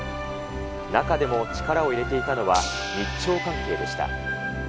中でも力を入れていたのは、日朝関係でした。